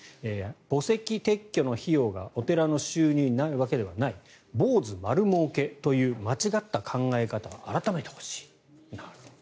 墓石撤去の費用がお寺の収入になるわけではない坊主丸もうけという間違った考え方は改めてほしい。